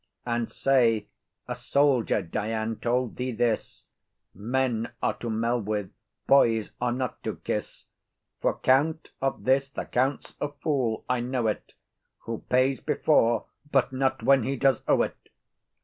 And say a soldier, 'Dian,' told thee this: Men are to mell with, boys are not to kiss; For count of this, the count's a fool, I know it, Who pays before, but not when he does owe it.